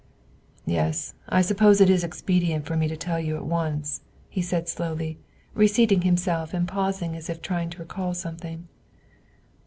"Yes; I suppose it is expedient for me to tell you at once," he said slowly, reseating himself and pausing as if trying to recall something.